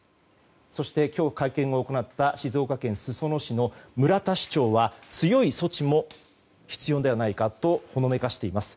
そして、今日会見を行った静岡県裾野市の村田市長は強い措置も必要ではないかとほのめかしています。